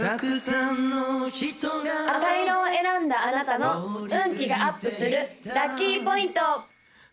赤色を選んだあなたの運気がアップするラッキーポイント！